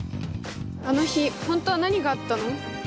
あの日、本当は何があったの？